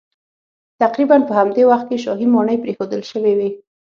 تقریبا په همدې وخت کې شاهي ماڼۍ پرېښودل شوې وې